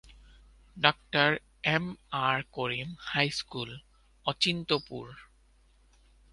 Doctor M R Karim high school, Achintapur.